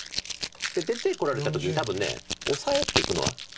出てこられた時に多分オサえていくのは切られて。